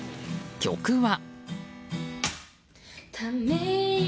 曲は。